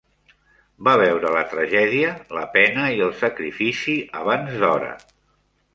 Va veure la tragèdia, la pena i el sacrifici abans d'hora.